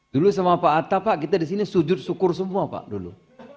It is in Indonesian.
dulu sama pak atta pak kita di sini sujud syukur semua pak dulu